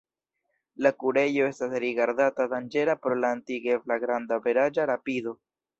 La kurejo estas rigardata danĝera pro la atingebla granda averaĝa rapido.